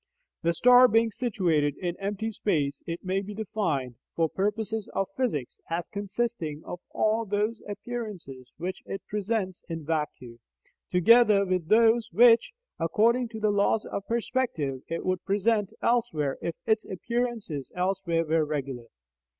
The star being situated in empty space, it may be defined, for purposes of physics, as consisting of all those appearances which it presents in vacuo, together with those which, according to the laws of perspective, it would present elsewhere if its appearances elsewhere were regular.